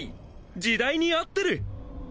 時代に合ってる！